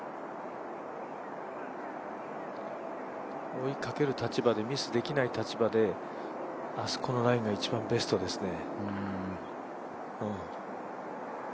追いかける立場でミスできない立場であそこのラインが一番ベストですね。